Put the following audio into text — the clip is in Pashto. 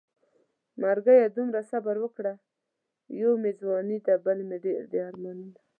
مرګيه دومره صبر وکړه يو مې ځواني ده بل مې ډېر دي ارمانونه